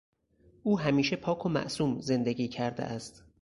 او همیشه پاک و معصوم زندگی کرده است.